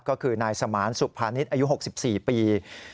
ก็คือนายสมานสุภานิษฐ์อายุ๖๔ปี